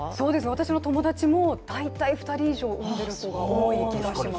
私の友達も大体２人以上産んでいる人が多い気がします。